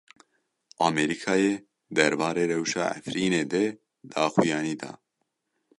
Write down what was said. Amerîkayê derbarê rewşa Efrînê de daxuyanî da.